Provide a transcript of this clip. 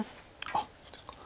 あっそうですか。